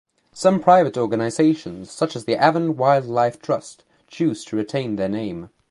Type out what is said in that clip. Some private organisations such as the Avon Wildlife Trust choose to retain their name.